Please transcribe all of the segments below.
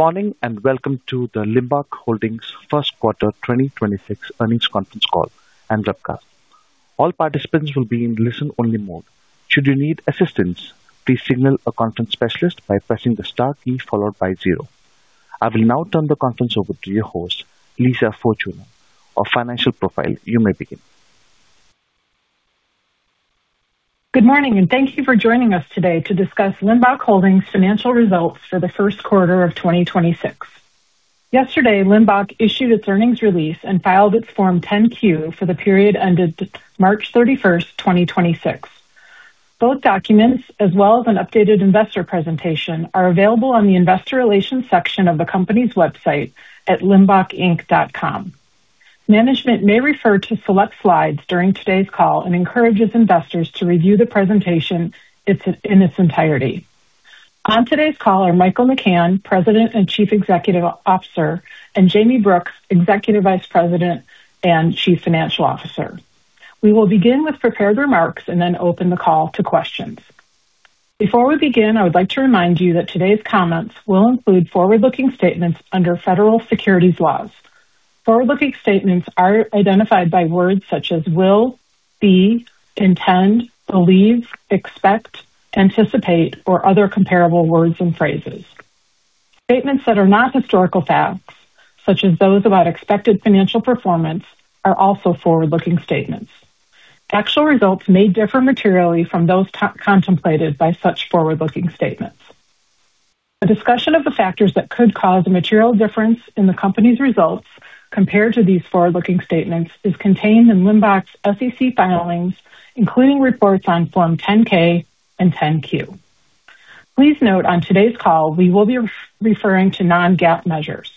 Morning, welcome to the Limbach Holdings first quarter 2026 earnings conference call and webcast. All participants will be in listen-only mode. Should you need assistance, please signal a conference specialist by pressing the star key followed by zero. I will now turn the conference over to your host, Lisa Fortuna of Financial Profiles. You may begin. Good morning, and thank you for joining us today to discuss Limbach Holdings' financial results for the first quarter of 2026. Yesterday, Limbach issued its earnings release and filed its Form 10-Q for the period ended March 31st, 2026. Both documents, as well as an updated investor presentation, are available on the investor relations section of the company's website at limbachinc.com. Management may refer to select slides during today's call and encourages investors to review the presentation in its entirety. On today's call are Michael McCann, President and Chief Executive Officer, and Jayme Brooks, Executive Vice President and Chief Financial Officer. We will begin with prepared remarks and then open the call to questions. Before we begin, I would like to remind you that today's comments will include forward-looking statements under federal securities laws. Forward-looking statements are identified by words such as will, be, intend, believe, expect, anticipate, or other comparable words and phrases. Statements that are not historical facts, such as those about expected financial performance, are also forward-looking statements. Actual results may differ materially from those contemplated by such forward-looking statements. A discussion of the factors that could cause a material difference in the company's results compared to these forward-looking statements is contained in Limbach's SEC filings, including reports on Form 10-K and 10-Q. Please note on today's call, we will be referring to non-GAAP measures.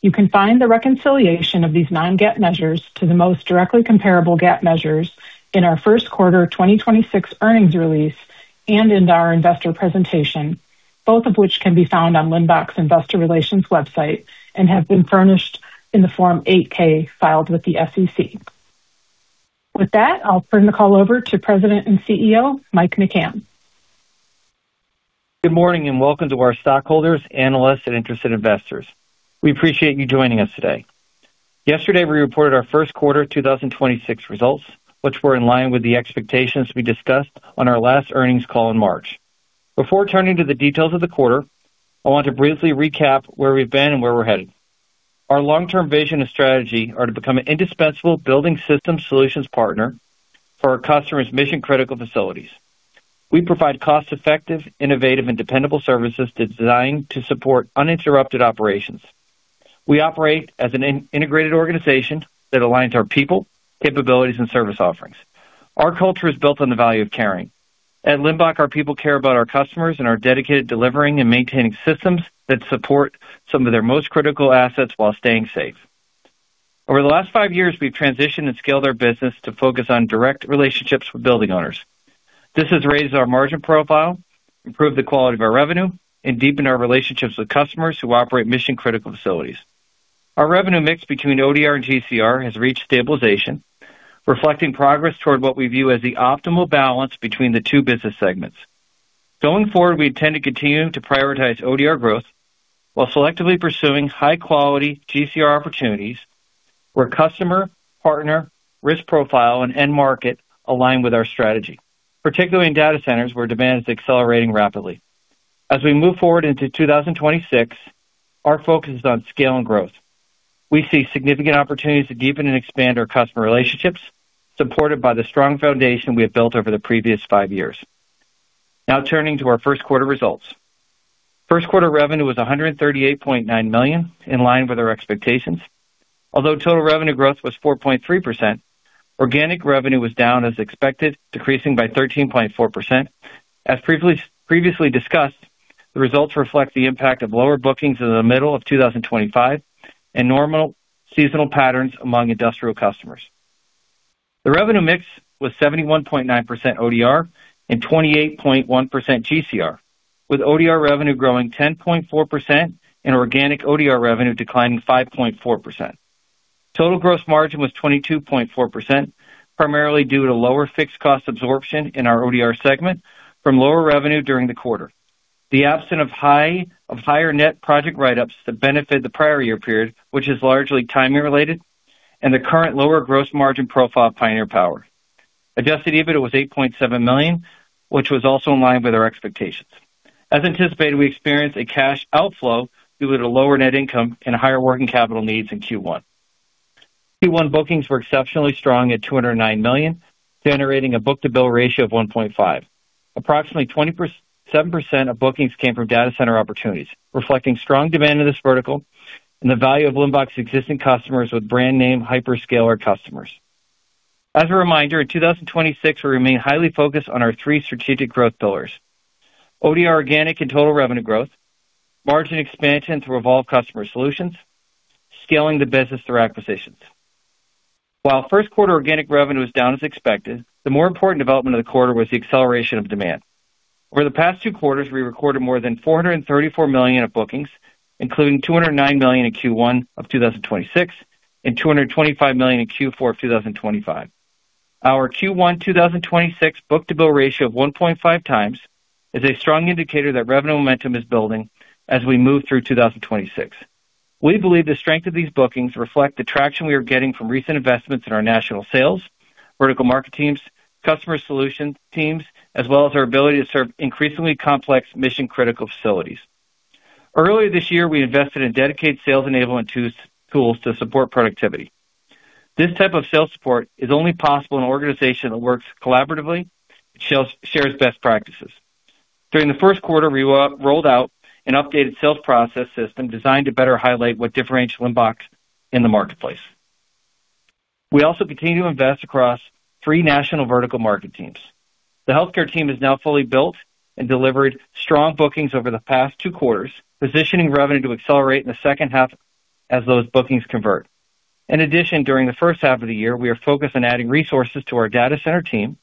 You can find the reconciliation of these non-GAAP measures to the most directly comparable GAAP measures in our first quarter 2026 earnings release and in our investor presentation, both of which can be found on Limbach's investor relations website and have been furnished in the Form 8-K filed with the SEC. With that, I'll turn the call over to President and CEO, Mike McCann. Good morning and welcome to our stockholders, analysts, and interested investors. We appreciate you joining us today. Yesterday, we reported our 1st quarter 2026 results, which were in line with the expectations we discussed on our last earnings call in March. Before turning to the details of the quarter, I want to briefly recap where we've been and where we're headed. Our long-term vision and strategy are to become an indispensable building systems solutions partner for our customers' mission-critical facilities. We provide cost-effective, innovative, and dependable services that's designed to support uninterrupted operations. We operate as an integrated organization that aligns our people, capabilities, and service offerings. Our culture is built on the value of caring. At Limbach, our people care about our customers and are dedicated to delivering and maintaining systems that support some of their most critical assets while staying safe. Over the last five-years, we've transitioned and scaled our business to focus on direct relationships with building owners. This has raised our margin profile, improved the quality of our revenue, and deepened our relationships with customers who operate mission-critical facilities. Our revenue mix between ODR and GCR has reached stabilization, reflecting progress toward what we view as the optimal balance between the two business segments. Going forward, we intend to continue to prioritize ODR growth while selectively pursuing high-quality GCR opportunities where customer, partner, risk profile, and end market align with our strategy, particularly in data centers where demand is accelerating rapidly. As we move forward into 2026, our focus is on scale and growth. We see significant opportunities to deepen and expand our customer relationships, supported by the strong foundation we have built over the previous five years. Now turning to our first quarter results. First quarter revenue was $138.9 million, in line with our expectations. Although total revenue growth was 4.3%, organic revenue was down as expected, decreasing by 13.4%. As previously discussed, the results reflect the impact of lower bookings in the middle of 2025 and normal seasonal patterns among industrial customers. The revenue mix was 71.9% ODR and 28.1% GCR, with ODR revenue growing 10.4% and organic ODR revenue declining 5.4%. Total gross margin was 22.4%, primarily due to lower fixed cost absorption in our ODR segment from lower revenue during the quarter. The absence of higher net project write-ups that benefit the prior year period, which is largely timing related, and the current lower gross margin profile of Pioneer Power. Adjusted EBITDA was $8.7 million, which was also in line with our expectations. As anticipated, we experienced a cash outflow due to the lower net income and higher working capital needs in Q1. Q1 bookings were exceptionally strong at $209 million, generating a book-to-bill ratio of 1.5. Approximately 27% of bookings came from data center opportunities, reflecting strong demand in this vertical and the value of Limbach's existing customers with brand name hyperscaler customers. As a reminder, in 2026, we remain highly focused on our three strategic growth pillars: ODR organic and total revenue growth, margin expansion through evolved customer solutions, scaling the business through acquisitions. While first quarter organic revenue was down as expected, the more important development of the quarter was the acceleration of demand. Over the past two quarters, we recorded more than $434 million of bookings, including $209 million in Q1 2026 and $225 million in Q4 2025. Our Q1 2026 book-to-bill ratio of 1.5 times is a strong indicator that revenue momentum is building as we move through 2026. We believe the strength of these bookings reflect the traction we are getting from recent investments in our national sales, vertical market teams, customer solutions teams, as well as our ability to serve increasingly complex mission-critical facilities. Earlier this year, we invested in dedicated sales enablement tools to support productivity. This type of sales support is only possible in an organization that works collaboratively and shares best practices. During the first quarter, we rolled out an updated sales process system designed to better highlight what differentiates Limbach in the marketplace. We also continue to invest across three national vertical market teams. The healthcare team is now fully built and delivered strong bookings over the past two quarters, positioning revenue to accelerate in the second half as those bookings convert. In addition, during the first half of the year, we are focused on adding resources to our data center team,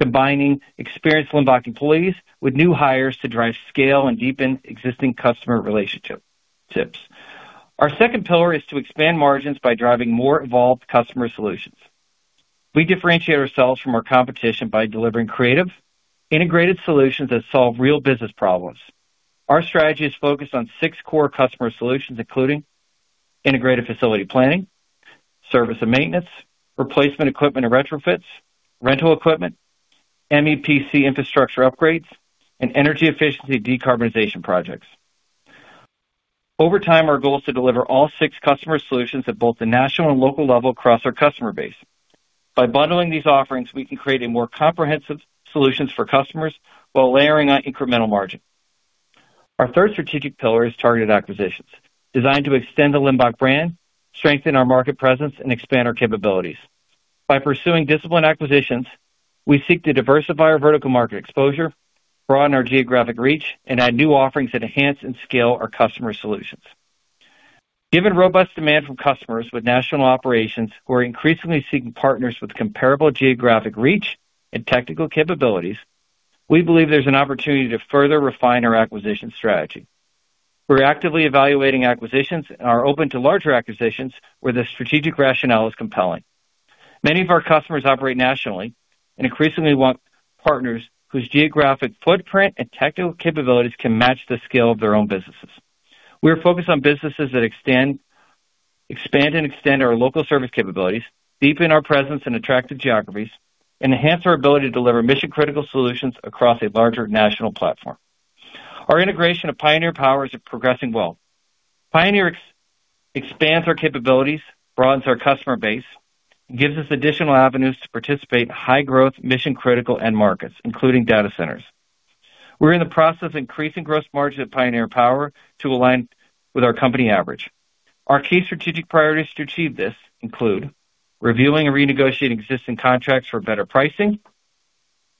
combining experienced Limbach employees with new hires to drive scale and deepen existing customer relationships. Our second pillar is to expand margins by driving more evolved customer solutions. We differentiate ourselves from our competition by delivering creative, integrated solutions that solve real business problems. Our strategy is focused on six core customer solutions, including integrated facility planning, service and maintenance, replacement equipment and retrofits, rental equipment, MEP infrastructure upgrades, and energy efficiency decarbonization projects. Over time, our goal is to deliver all six customer solutions at both the national and local level across our customer base. By bundling these offerings, we can create a more comprehensive solutions for customers while layering on incremental margin. Our third strategic pillar is targeted acquisitions, designed to extend the Limbach brand, strengthen our market presence and expand our capabilities. By pursuing disciplined acquisitions, we seek to diversify our vertical market exposure, broaden our geographic reach, and add new offerings that enhance and scale our customer solutions. Given robust demand from customers with national operations who are increasingly seeking partners with comparable geographic reach and technical capabilities, we believe there's an opportunity to further refine our acquisition strategy. We're actively evaluating acquisitions and are open to larger acquisitions where the strategic rationale is compelling. Many of our customers operate nationally and increasingly want partners whose geographic footprint and technical capabilities can match the scale of their own businesses. We are focused on businesses that expand and extend our local service capabilities, deepen our presence in attractive geographies, and enhance our ability to deliver mission-critical solutions across a larger national platform. Our integration of Pioneer Power is progressing well. Pioneer expands our capabilities, broadens our customer base, and gives us additional avenues to participate in high growth mission-critical end markets, including data centers. We're in the process of increasing gross margin at Pioneer Power to align with our company average. Our key strategic priorities to achieve this include reviewing and renegotiating existing contracts for better pricing,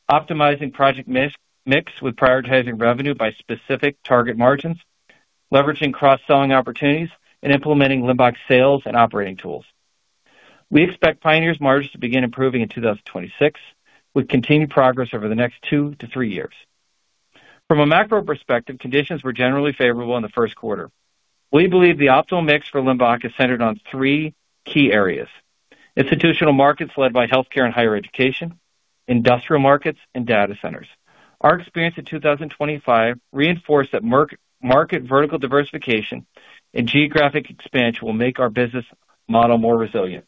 optimizing project mix, with prioritizing revenue by specific target margins, leveraging cross-selling opportunities, and implementing Limbach sales and operating tools. We expect Pioneer's margins to begin improving in 2026, with continued progress over the next two-three years. From a macro perspective, conditions were generally favorable in the first quarter. We believe the optimal mix for Limbach is centered on three key areas: institutional markets led by healthcare and higher education, industrial markets, and data centers. Our experience in 2025 reinforced that market vertical diversification and geographic expansion will make our business model more resilient.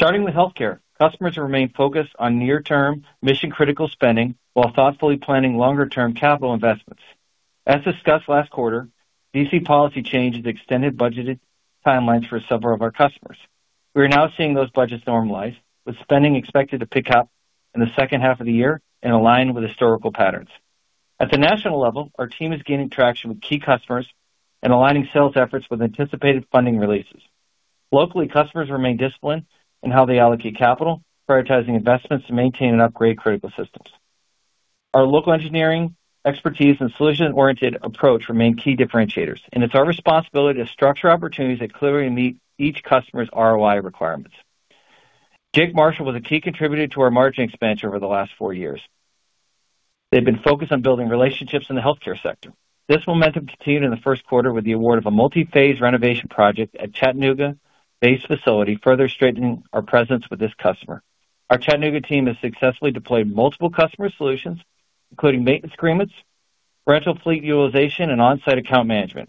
Starting with healthcare, customers remain focused on near-term mission-critical spending while thoughtfully planning longer-term capital investments. As discussed last quarter, D.C. policy changes extended budgeted timelines for several of our customers. We are now seeing those budgets normalize, with spending expected to pick up in the second half of the year and align with historical patterns. At the national level, our team is gaining traction with key customers and aligning sales efforts with anticipated funding releases. Locally, customers remain disciplined in how they allocate capital, prioritizing investments to maintain and upgrade critical systems. Our local engineering expertise and solution-oriented approach remain key differentiators, and it's our responsibility to structure opportunities that clearly meet each customer's ROI requirements. Jake Marshall was a key contributor to our margin expansion over the last four years. They've been focused on building relationships in the healthcare sector. This momentum continued in the first quarter with the award of a multi-phase renovation project at Chattanooga base facility, further strengthening our presence with this customer. Our Chattanooga team has successfully deployed multiple customer solutions, including maintenance agreements, rental fleet utilization, and on-site account management.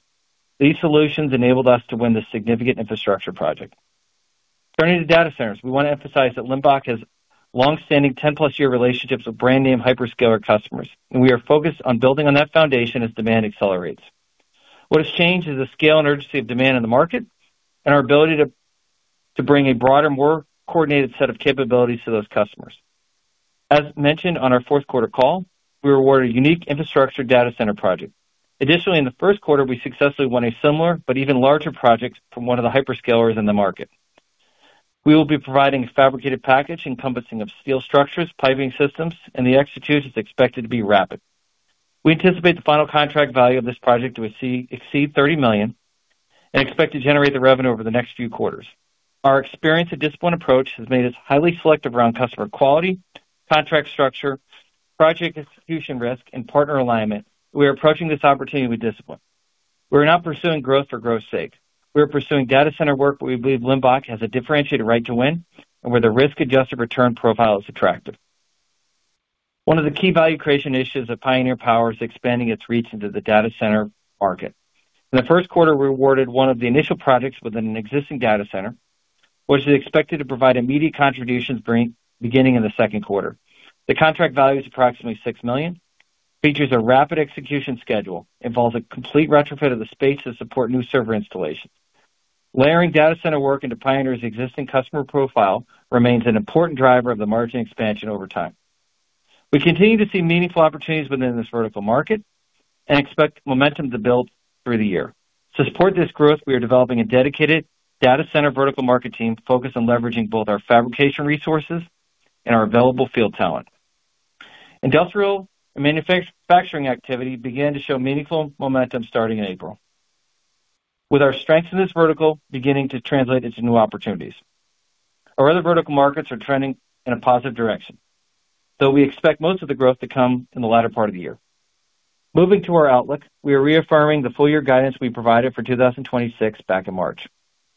These solutions enabled us to win this significant infrastructure project. Turning to data centers, we want to emphasize that Limbach has longstanding 10+ year relationships with brand name hyperscaler customers, and we are focused on building on that foundation as demand accelerates. What has changed is the scale and urgency of demand in the market and our ability to bring a broader, more coordinated set of capabilities to those customers. As mentioned on our fourth quarter call, we were awarded a unique infrastructure data center project. Additionally, in the first quarter, we successfully won a similar but even larger project from one of the hyperscalers in the market. We will be providing a fabricated package encompassing of steel structures, piping systems, and the execution is expected to be rapid. We anticipate the final contract value of this project to exceed $30 million and expect to generate the revenue over the next few quarters. Our experience and disciplined approach has made us highly selective around customer quality, contract structure, project execution risk, and partner alignment. We are approaching this opportunity with discipline. We're not pursuing growth for growth's sake. We're pursuing data center work where we believe Limbach has a differentiated right to win and where the risk-adjusted return profile is attractive. One of the key value creation initiatives of Pioneer Power is expanding its reach into the data center market. In the first quarter, we awarded one of the initial projects within an existing data center, which is expected to provide immediate contributions beginning in the second quarter. The contract value is approximately $6 million. Features a rapid execution schedule, involves a complete retrofit of the space to support new server installation. Layering data center work into Pioneer's existing customer profile remains an important driver of the margin expansion over time. We continue to see meaningful opportunities within this vertical market and expect momentum to build through the year. To support this growth, we are developing a dedicated data center vertical market team focused on leveraging both our fabrication resources and our available field talent. Industrial manufacturing activity began to show meaningful momentum starting in April, with our strengths in this vertical beginning to translate into new opportunities. Our other vertical markets are trending in a positive direction, though we expect most of the growth to come in the latter part of the year. Moving to our outlook, we are reaffirming the full year guidance we provided for 2026 back in March.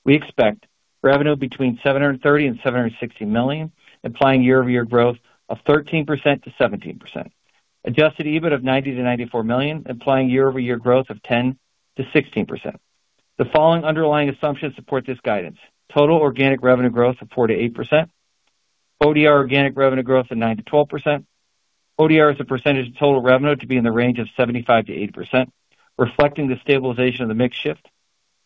We expect revenue between $730 million and $760 million, implying year-over-year growth of 13%-17%. Adjusted EBITDA of $90 million-$94 million, implying year-over-year growth of 10%-16%. The following underlying assumptions support this guidance. Total organic revenue growth of 48%. ODR organic revenue growth of 9%-12%. ODR as a percentage of total revenue to be in the range of 75%-80%, reflecting the stabilization of the mix shift.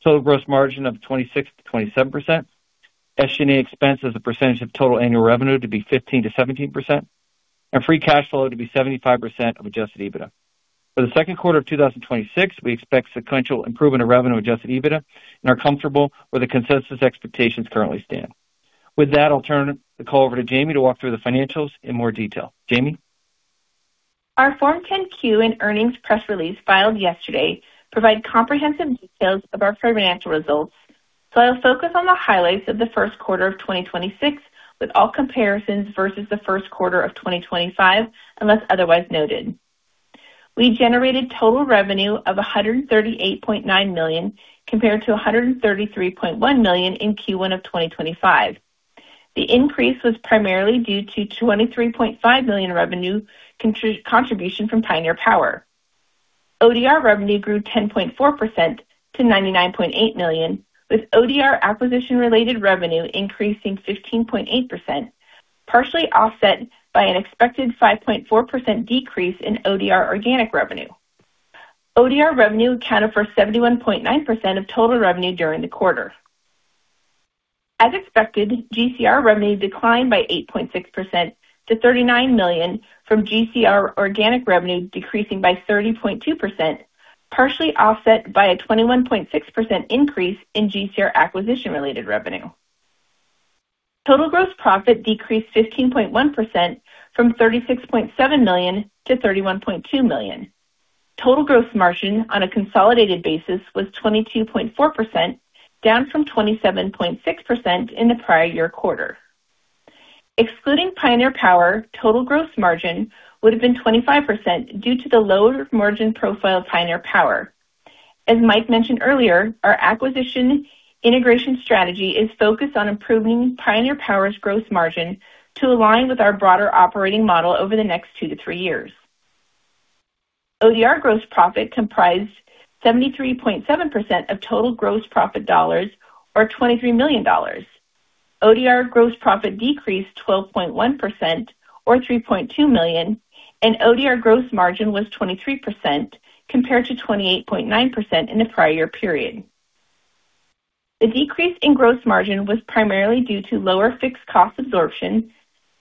Total gross margin of 26%-27%. SG&A expense as a percentage of total annual revenue to be 15%-17%, and free cash flow to be 75% of Adjusted EBITDA. For Q2 2026, we expect sequential improvement of revenue Adjusted EBITDA and are comfortable where the consensus expectations currently stand. With that, I'll turn the call over to Jayme to walk through the financials in more detail. Jayme? Our Form 10-Q and earnings press release filed yesterday provide comprehensive details of our financial results, so I'll focus on the highlights of the first quarter of 2026 with all comparisons versus the first quarter of 2025, unless otherwise noted. We generated total revenue of $138.9 million, compared-$133.1 million in Q1 of 2025. The increase was primarily due to $23.5 million revenue contribution from Pioneer Power. ODR revenue grew 10.4% to $99.8 million, with ODR acquisition-related revenue increasing 15.8%, partially offset by an expected 5.4% decrease in ODR organic revenue. ODR revenue accounted for 71.9% of total revenue during the quarter. As expected, GCR revenue declined by 8.6% to $39 million from GCR organic revenue decreasing by 30.2%, partially offset by a 21.6% increase in GCR acquisition-related revenue. Total gross profit decreased 15.1% from $36.7 million to $31.2 million. Total gross margin on a consolidated basis was 22.4%, down from 27.6% in the prior year quarter. Excluding Pioneer Power, total gross margin would have been 25% due to the lower margin profile of Pioneer Power. As Mike mentioned earlier, our acquisition integration strategy is focused on improving Pioneer Power's gross margin to align with our broader operating model over the next two-three years. ODR gross profit comprised 73.7% of total gross profit dollars or $23 million. ODR gross profit decreased 12.1% or $3.2 million. ODR gross margin was 23% compared-28.9% in the prior period. The decrease in gross margin was primarily due to lower fixed cost absorption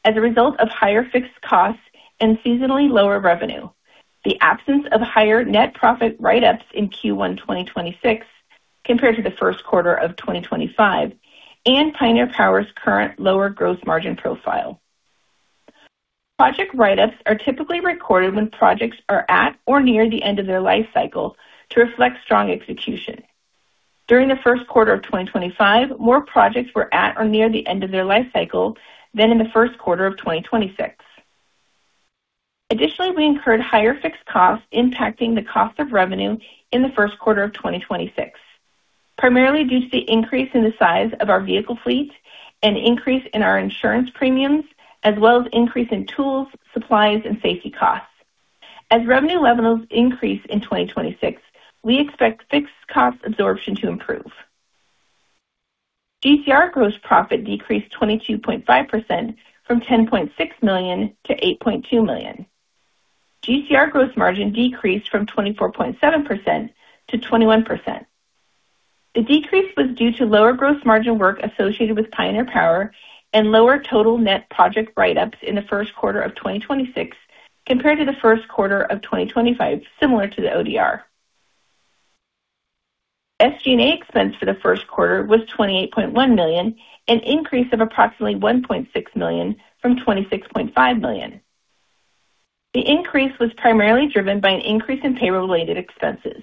as a result of higher fixed costs and seasonally lower revenue, the absence of higher net profit write-ups in Q1 2026 compared to the first quarter of 2025, and Pioneer Power's current lower gross margin profile. Project write-ups are typically recorded when projects are at or near the end of their life cycle to reflect strong execution. During the first quarter of 2025, more projects were at or near the end of their life cycle than in the first quarter of 2026. Additionally, we incurred higher fixed costs impacting the cost of revenue in the first quarter of 2026, primarily due to the increase in the size of our vehicle fleet and increase in our insurance premiums, as well as increase in tools, supplies, and safety costs. As revenue levels increase in 2026, we expect fixed cost absorption to improve. GCR gross profit decreased 22.5% from $10.6 million-$8.2 million. GCR gross margin decreased from 24.7%-21%. The decrease was due to lower gross margin work associated with Pioneer Power and lower total net project write-ups in the first quarter of 2026 compared to the first quarter of 2025, similar to the ODR. SG&A expense for the first quarter was $28.1 million, an increase of approximately $1.6 million from $26.5 million. The increase was primarily driven by an increase in payroll-related expenses.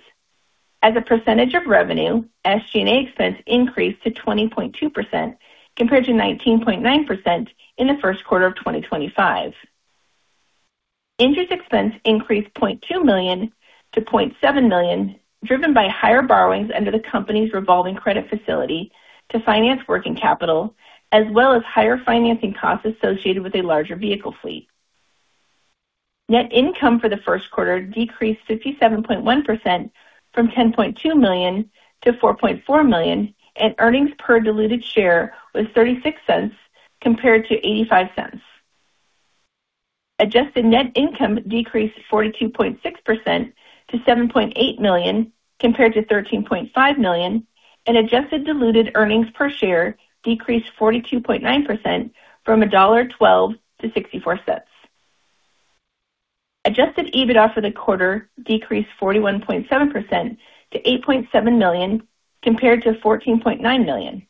As a percentage of revenue, SG&A expense increased to 20.2% compared-19.9% in the first quarter of 2025. Interest expense increased $0.2 million-$0.7 million, driven by higher borrowings under the company's revolving credit facility to finance working capital as well as higher financing costs associated with a larger vehicle fleet. Net income for the first quarter decreased 57.1% from $10.2 million-$4.4 million, and earnings per diluted share was $0.36 compared-$0.85. Adjusted net income decreased 42.6% to $7.8 million compared to $13.5 million, adjusted diluted earnings per share decreased 42.9% from $1.12-$0.64. Adjusted EBITDA for the quarter decreased 41.7% to $8.7 million compared to $14.9 million.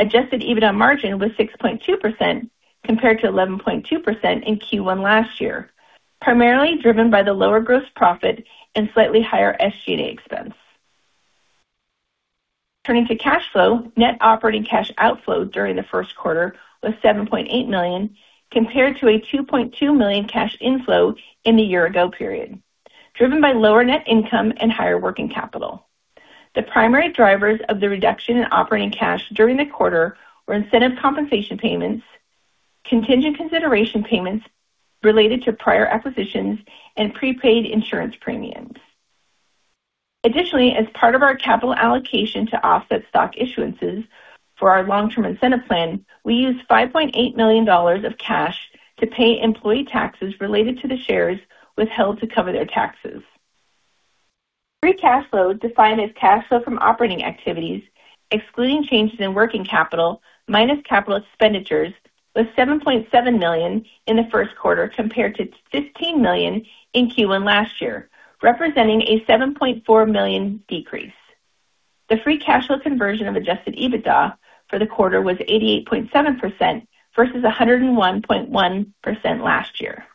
Adjusted EBITDA margin was 6.2% compared-11.2% in Q1 last year, primarily driven by the lower gross profit and slightly higher SG&A expense. Turning to cash flow. Net operating cash outflow during the first quarter was $7.8 million compared-$2.2 million cash inflow in the year-ago period, driven by lower net income and higher working capital. The primary drivers of the reduction in operating cash during the quarter were incentive compensation payments, contingent consideration payments related to prior acquisitions and prepaid insurance premiums. As part of our capital allocation to offset stock issuances for our long-term incentive plan, we used $5.8 million of cash to pay employee taxes related to the shares withheld to cover their taxes. Free cash flow defined as cash flow from operating activities, excluding changes in working capital minus capital expenditures was $7.7 million in the first quarter compared-$15 million in Q1 last year, representing a $7.4 million decrease. The free cash flow conversion of Adjusted EBITDA for the quarter was 88.7% versus 101.1% last year.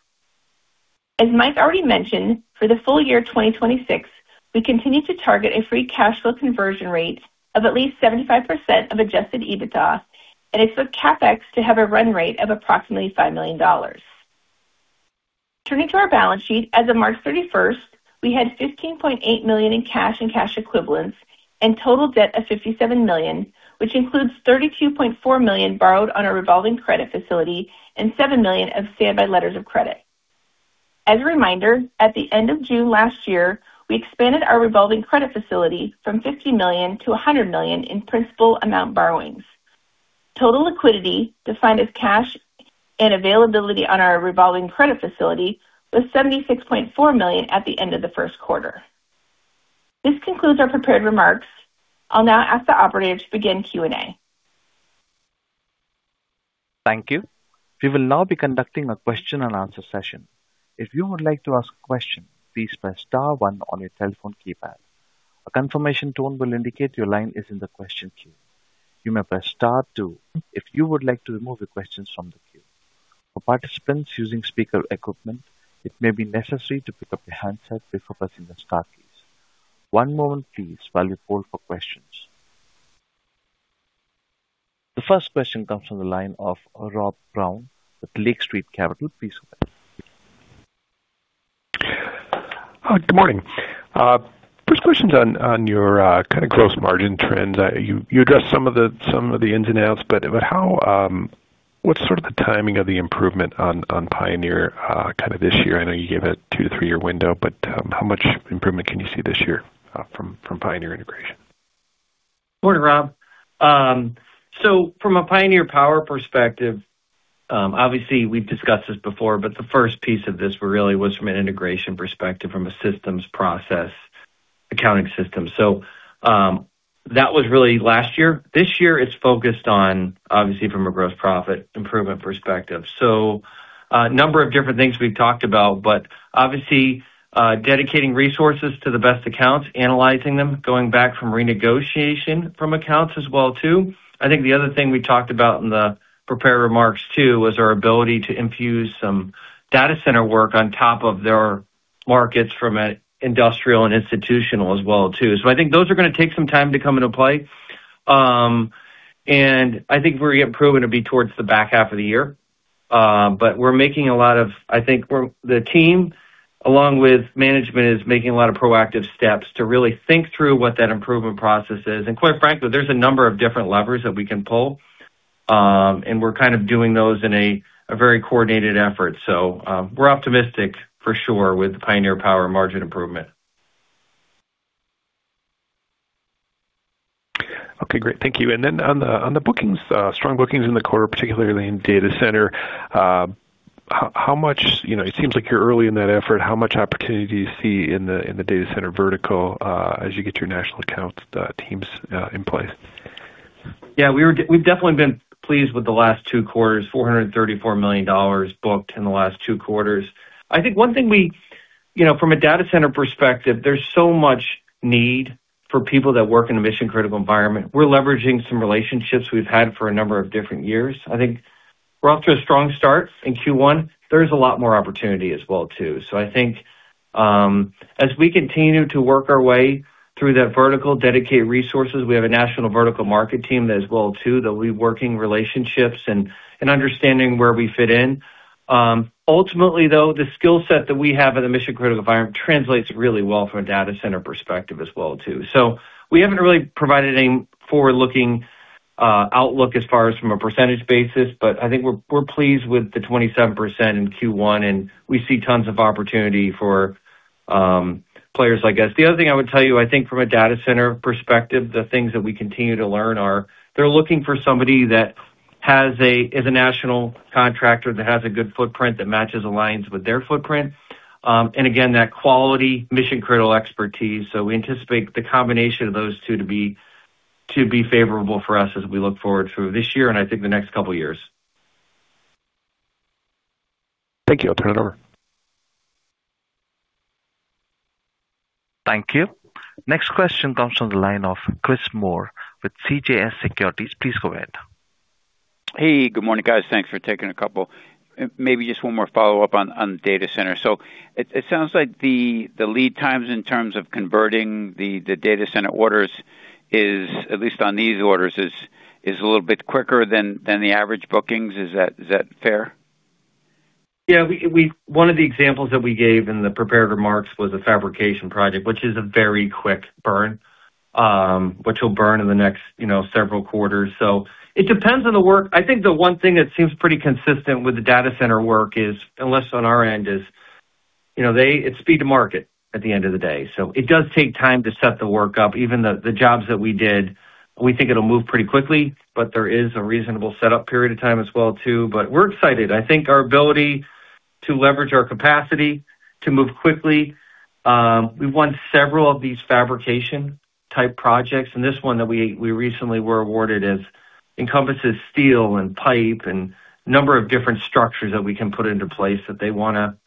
As Mike already mentioned, for the full year 2026, we continue to target a free cash flow conversion rate of at least 75% of Adjusted EBITDA and expect CapEx to have a run rate of approximately $5 million. Turning to our balance sheet. As of March 31st, we had $15.8 million in cash and cash equivalents and total debt of $57 million, which includes $32.4 million borrowed on a revolving credit facility and $7 million of standby letters of credit. As a reminder, at the end of June last year, we expanded our revolving credit facility from $50 million to $100 million in principal amount borrowings. Total liquidity defined as cash and availability on our revolving credit facility was $76.4 million at the end of the first quarter. This concludes our prepared remarks. I'll now ask the operator to begin Q&A. Thank you. We will now be conducting a question-and-answer session. If you would like to ask a question, please press star-one on your telephone keypad. A tone will indicate your line is in the question queue. You may press star-two if you would like to remove your question from the queue. For participants using speaker equipment, it may be necessary to pick up your handset before asking a question. One moment, please, while we poll for questions. The first question comes from the line of Rob Brown with Lake Street Capital. Please go ahead. Good morning. First question is on your kind of gross margin trends. You addressed some of the ins and outs, what's sort of the timing of the improvement on Pioneer kind of this year? I know you gave a two- three-year window, how much improvement can you see this year from Pioneer integration? Morning, Rob. From a Pioneer Power perspective, obviously we've discussed this before, but the first piece of this really was from an integration perspective, from a systems process accounting system. That was really last year. This year it's focused on obviously from a gross profit improvement perspective. A number of different things we've talked about, but obviously, dedicating resources to the best accounts, analyzing them, going back from renegotiation from accounts as well, too. I think the other thing we talked about in the prepared remarks, too, was our ability to infuse some data center work on top of their markets from an industrial and institutional as well, too. I think those are going to take some time to come into play. I think we're improving to be towards the back half of the year. The team along with management is making a lot of proactive steps to really think through what that improvement process is. Quite frankly, there's a number of different levers that we can pull, and we're kind of doing those in a very coordinated effort. We're optimistic for sure with Pioneer Power margin improvement. Okay. Great. Thank you. Then on the bookings, strong bookings in the quarter, particularly in data center, how much, you know, it seems like you're early in that effort. How much opportunity do you see in the data center vertical as you get your national accounts teams in place? Yeah, we've definitely been pleased with the last two quarters, $434 million booked in the last two quarters. I think one thing we, you know, from a data center perspective, there's so much need for people that work in a mission-critical environment. We're leveraging some relationships we've had for a number of different years. I think we're off to a strong start in Q1. There's a lot more opportunity as well too. As we continue to work our way through that vertical dedicated resources, we have a national vertical market team as well too. There'll be working relationships and understanding where we fit in. Ultimately, though, the skill set that we have in the mission-critical environment translates really well from a data center perspective as well too. We haven't really provided any forward-looking outlook as far as from a percentage basis, but I think we're pleased with the 27% in Q1, and we see tons of opportunity for players, I guess. The other thing I would tell you, I think from a data center perspective, the things that we continue to learn are they're looking for somebody that is a national contractor that has a good footprint that matches, aligns with their footprint. And again, that quality mission-critical expertise. We anticipate the combination of those two to be favorable for us as we look forward through this year and I think the next couple of years. Thank you. I'll turn it over. Thank you. Next question comes from the line of Chris Moore with CJS Securities. Please go ahead. Hey, good morning, guys. Thanks for taking a couple. Maybe just one more follow-up on data center. It sounds like the lead times in terms of converting the data center orders is, at least on these orders, is a little bit quicker than the average bookings. Is that fair? Yeah. We One of the examples that we gave in the prepared remarks was a fabrication project, which is a very quick burn, which will burn in the next, you know, several quarters. It depends on the work. I think the one thing that seems pretty consistent with the data center work is, at least on our end, is, you know, it's speed to market at the end of the day. It does take time to set the work up. Even the jobs that we did, we think it'll move pretty quickly, but there is a reasonable setup period of time as well too. We're excited. I think our ability to leverage our capacity to move quickly, we've won several of these fabrication-type projects, and this one that we recently were awarded encompasses steel and pipe and a number of different structures that we can put into place that they wanna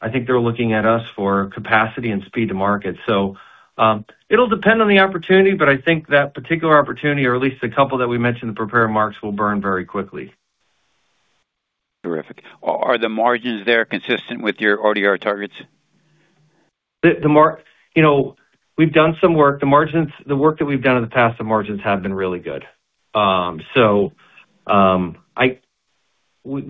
I think they're looking at us for capacity and speed to market. It'll depend on the opportunity, but I think that particular opportunity, or at least the couple that we mentioned in the prepared remarks, will burn very quickly. Terrific. Are the margins there consistent with your ODR targets? You know, we've done some work. The work that we've done in the past, the margins have been really good. We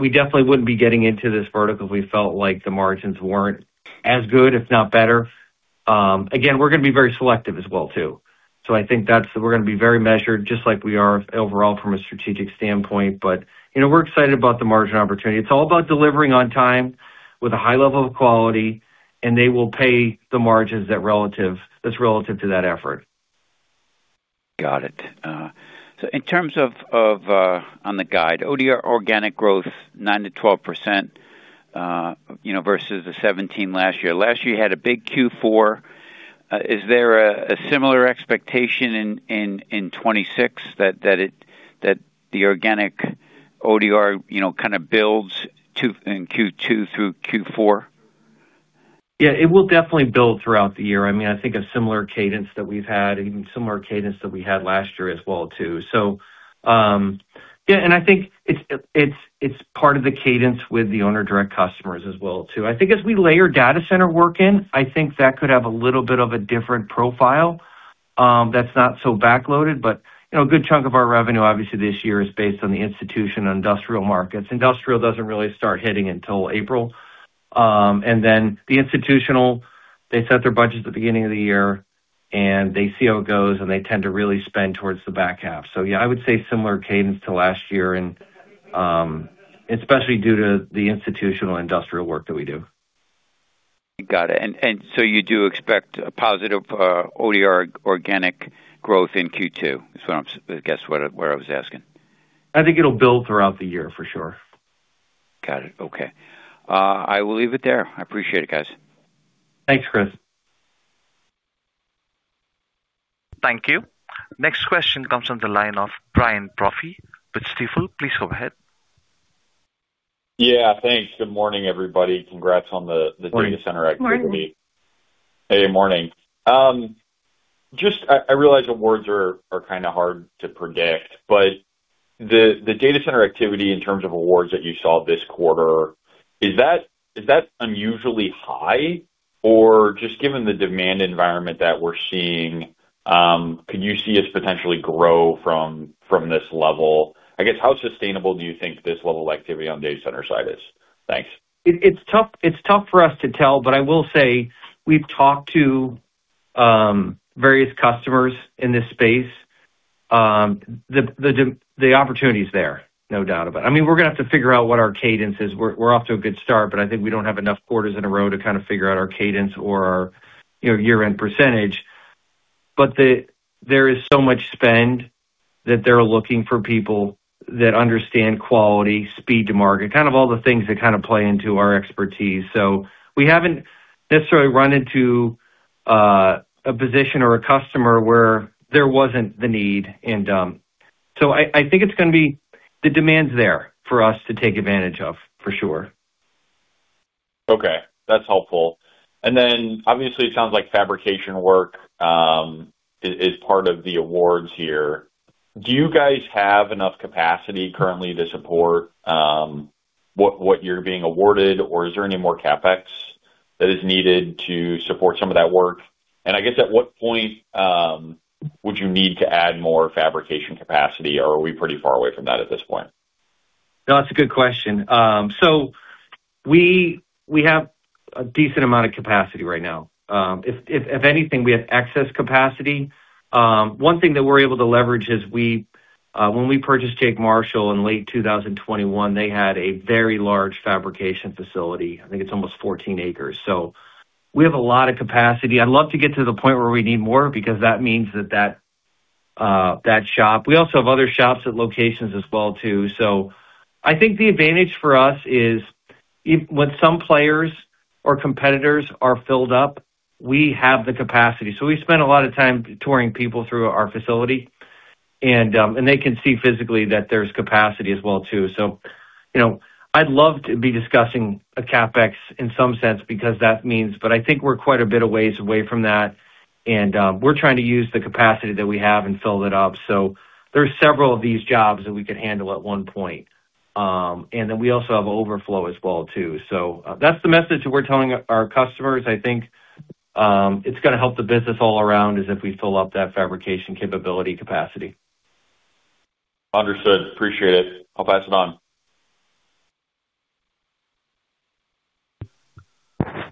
definitely wouldn't be getting into this vertical if we felt like the margins weren't as good, if not better. Again, we're gonna be very selective as well too. I think that's we're gonna be very measured, just like we are overall from a strategic standpoint. You know, we're excited about the margin opportunity. It's all about delivering on time with a high level of quality, and they will pay the margins that relative, that's relative to that effort. Got it. In terms of on the guide, ODR organic growth 9%-12% versus the 17 last year. Last year you had a big Q4. Is there a similar expectation in 2026 that the organic ODR kind of builds in Q2 through Q4? It will definitely build throughout the year. I mean, I think a similar cadence that we've had, even similar cadence that we had last year as well too. I think it's part of the cadence with the owner direct customers as well too. I think as we layer data center work in, I think that could have a little bit of a different profile, that's not so backloaded. You know, a good chunk of our revenue, obviously this year is based on the institution and industrial markets. Industrial doesn't really start hitting until April. Then the institutional, they set their budgets at the beginning of the year, and they see how it goes, and they tend to really spend towards the back half. Yeah, I would say similar cadence to last year and, especially due to the institutional industrial work that we do. Got it. You do expect a positive, ODR organic growth in Q2? Is what I was asking. I think it'll build throughout the year for sure. Got it. Okay. I will leave it there. I appreciate it, guys. Thanks, Chris. Thank you. Next question comes from the line of Brian Brophy with Stifel. Please go ahead. Yeah. Thanks. Good morning, everybody. Morning. The data center activity. Morning. Hey. Morning. I realize awards are kind of hard to predict, but the data center activity in terms of awards that you saw this quarter, is that unusually high? Just given the demand environment that we're seeing, could you see us potentially grow from this level? I guess, how sustainable do you think this level of activity on data center side is? Thanks. It's tough for us to tell, but I will say we've talked to various customers in this space. The opportunity is there, no doubt about it. I mean, we're gonna have to figure out what our cadence is. We're off to a good start, but I think we don't have enough quarters in a row to kind of figure out our cadence or our, you know, year-end percentage. There is so much spend that they're looking for people that understand quality, speed to market, kind of all the things that kind of play into our expertise. We haven't necessarily run into a position or a customer where there wasn't the need and so I think it's gonna be The demand's there for us to take advantage of, for sure. Okay. That's helpful. Then, obviously, it sounds like fabrication work, is part of the awards here. Do you guys have enough capacity currently to support, what you're being awarded or is there any more CapEx that is needed to support some of that work? I guess at what point, would you need to add more fabrication capacity or are we pretty far away from that at this point? No, that's a good question. We have a decent amount of capacity right now. If anything, we have excess capacity. One thing that we're able to leverage is when we purchased Jake Marshall in late 2021, they had a very large fabrication facility. I think it's almost 14 acres. We have a lot of capacity. I'd love to get to the point where we need more because that means that shop. We also have other shops at locations as well too. I think the advantage for us is when some players or competitors are filled up, we have the capacity. We spend a lot of time touring people through our facility, and they can see physically that there's capacity as well too. You know, I'd love to be discussing a CapEx in some sense. I think we're quite a bit of ways away from that and we're trying to use the capacity that we have and fill it up. There's several of these jobs that we could handle at one point. We also have overflow as well too. That's the message that we're telling our customers. I think it's gonna help the business all around is if we fill up that fabrication capability capacity. Understood. Appreciate it. I'll pass it on.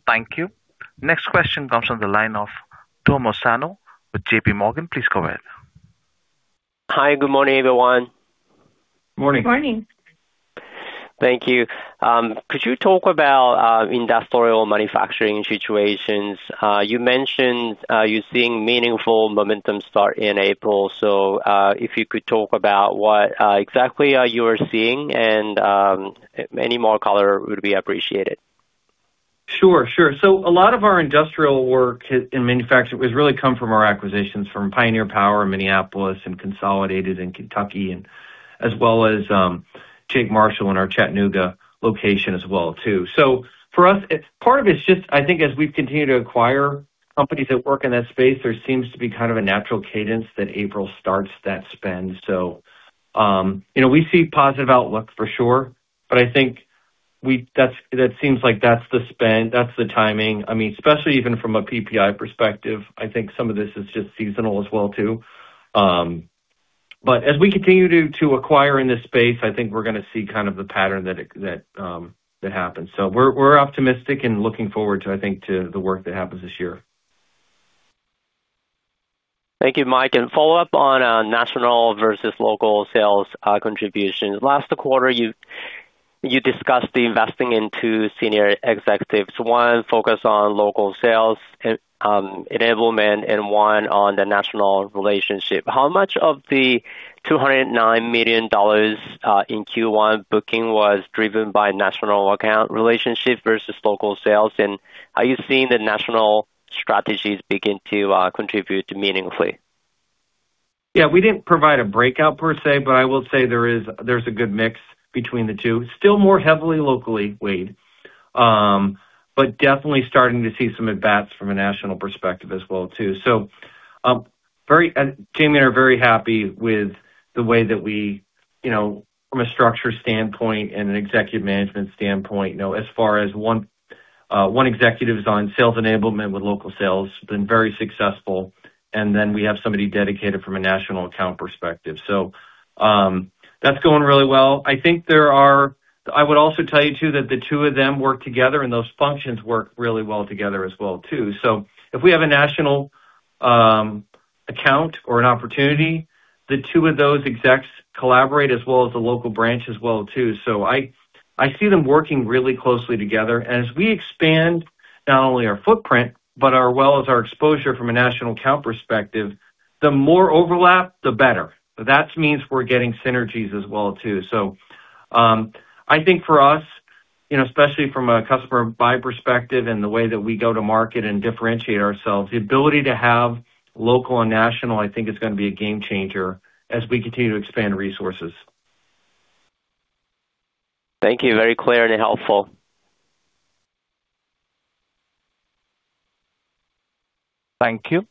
Thank you. Next question comes from the line of Tomo Sano with JPMorgan. Please go ahead. Hi, good morning, everyone. Morning. Good morning. Thank you. Could you talk about industrial manufacturing situations? You mentioned you're seeing meaningful momentum start in April. If you could talk about what exactly you are seeing and any more color would be appreciated. Sure, sure. A lot of our industrial work in manufacturing has really come from our acquisitions from Pioneer Power in Minneapolis and Consolidated in Kentucky and as well as Jake Marshall in our Chattanooga location as well too. For us, it's part of it's just I think as we continue to acquire companies that work in that space, there seems to be kind of a natural cadence that April starts that spend. You know, we see positive outlook for sure, but I think it seems like that's the spend, that's the timing. I mean, especially even from a PPI perspective, I think some of this is just seasonal as well too. But as we continue to acquire in this space, I think we're gonna see kind of the pattern that it, that happens. We're optimistic and looking forward to, I think, to the work that happens this year. Thank you, Mike. Follow-up on national versus local sales contributions. Last quarter, you discussed investing in two senior executives, one focused on local sales enablement and one on the national relationship. How much of the $209 million in Q1 booking was driven by national account relationship versus local sales? Are you seeing the national strategies begin to contribute meaningfully? Yeah, we didn't provide a breakout per se, but I will say there's a good mix between the two. Still more heavily locally weighed, but definitely starting to see some advances from a national perspective as well too. Jayme and I are very happy with the way that we, you know, from a structure standpoint and an executive management standpoint, you know, as far as one executive is on sales enablement with local sales, been very successful, and then we have somebody dedicated from a national account perspective. That's going really well. I would also tell you too, that the two of them work together and those functions work really well together as well too. If we have a national account or an opportunity, the two of those execs collaborate as well as the local branch as well too. I see them working really closely together. As we expand not only our footprint, but as our exposure from a national account perspective, the more overlap, the better. That means we're getting synergies as well too. I think for us, you know, especially from a customer buy perspective and the way that we go to market and differentiate ourselves, the ability to have local and national, I think is gonna be a game changer as we continue to expand resources. Thank you. Very clear and helpful. Thank you.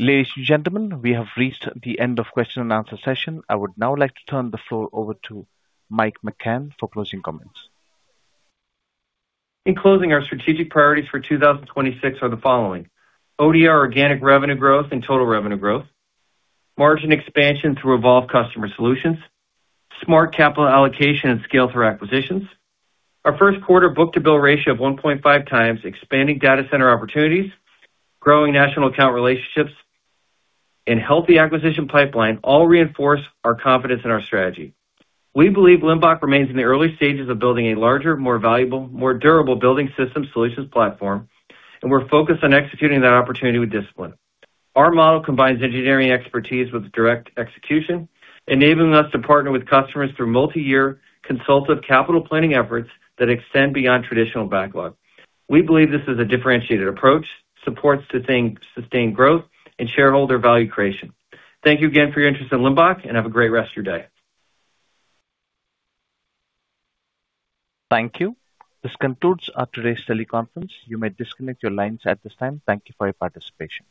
Ladies and gentlemen, we have reached the end of question and answer session. I would now like to turn the floor over to Mike McCann for closing comments. In closing, our strategic priorities for 2026 are the following: ODR organic revenue growth and total revenue growth, margin expansion through evolved customer solutions, smart capital allocation and scale through acquisitions. Our first quarter book-to-bill ratio of 1.5x, expanding data center opportunities, growing national account relationships and healthy acquisition pipeline all reinforce our confidence in our strategy. We believe Limbach remains in the early stages of building a larger, more valuable, more durable building system solutions platform, and we're focused on executing that opportunity with discipline. Our model combines engineering expertise with direct execution, enabling us to partner with customers through multi-year consultative capital planning efforts that extend beyond traditional backlog. We believe this is a differentiated approach, supports sustained growth and shareholder value creation. Thank you again for your interest in Limbach, and have a great rest of your day. Thank you. This concludes today's teleconference. You may disconnect your lines at this time. Thank you for your participation.